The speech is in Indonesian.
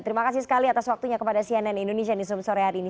terima kasih sekali atas waktunya kepada cnn indonesia newsroom sore hari ini